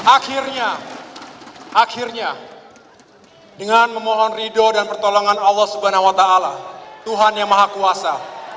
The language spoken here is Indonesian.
akhirnya akhirnya dengan memohon ridho dan pertolongan allah swt tuhan yang maha kuasa